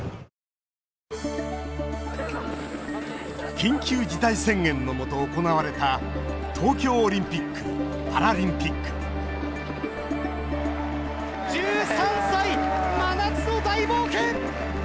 緊急事態宣言のもと行われた東京オリンピック・パラリンピック１３歳、真夏の大冒険！